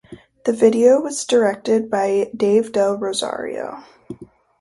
The video was directed by Dave Del Rosario.